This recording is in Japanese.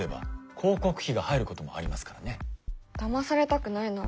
だまされたくないな。